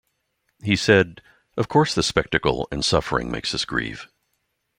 He said: Of course the spectacle and suffering makes us grieve.